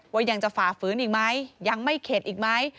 ยังจะฝ่าฝืนอีกไหมยังไม่เข็ดอีกไหม